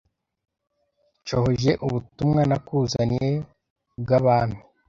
Nshohoje ubutumwa nakuzaniye bw'Abami